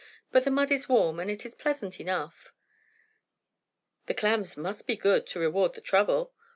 But the mud is warm, and it is pleasant enough." "The clams must be good, to reward the trouble?"